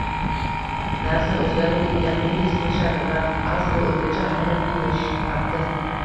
narsa o‘zgarib ketganini his qilishadi va aslida o‘zgacha harakat qilish vaqti